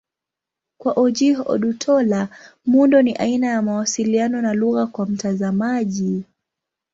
Kwa Ojih Odutola, muundo ni aina ya mawasiliano na lugha kwa mtazamaji.